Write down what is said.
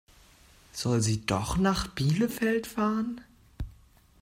Soll sie doch nach Bielefeld fahren?